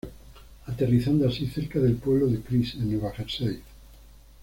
Aterrizando así cerca del pueblo de Chris en Nueva Jersey.